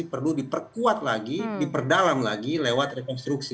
tapi kalau diperkut maka itu akan kuat lagi diperdalam lagi lewat rekonstruksi